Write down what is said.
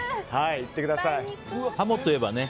ハモといえばね